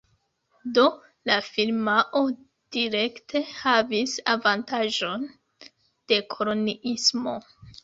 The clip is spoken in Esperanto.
Do la firmao direkte havis avantaĝon de koloniismo.